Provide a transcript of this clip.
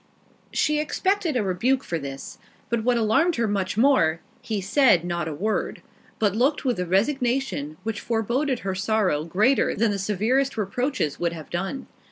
She expected a rebuke for this, but what alarmed her much more, he said not a word; but looked with a resignation, which foreboded her sorrow greater than the severest reproaches would have done.